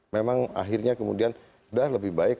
memang akhirnya kemudian sudah lebih baik